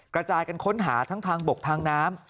กระจายกันค้นหาทั้งทางบกทางน้ำ